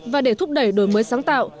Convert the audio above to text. và để thúc đẩy đổi mới sáng tạo